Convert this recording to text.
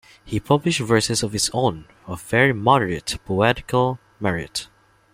He published verses of his own of very moderate poetical merit.